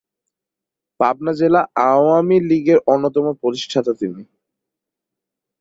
পাবনা জেলা আওয়ামী লীগের অন্যতম প্রতিষ্ঠাতা তিনি।